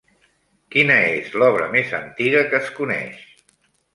Quina és l'obra més antiga que es coneix?